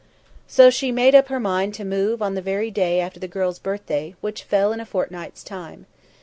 So she made up her mind to move on the very day after the girl's birthday, which fell in a fortnights time.